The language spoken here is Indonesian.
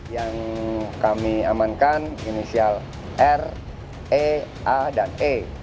yang kami amankan inisial r e a dan e